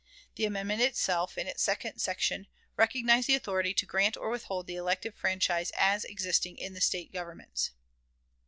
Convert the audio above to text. The amendment itself, in its second section, recognized the authority to grant or withhold the elective franchise as existing in the State governments.